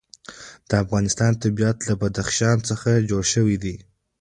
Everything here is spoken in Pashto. د افغانستان طبیعت له بدخشان څخه جوړ شوی دی.